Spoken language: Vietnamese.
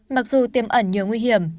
mặc dù tiềm ẩn nhiều nguy hiểm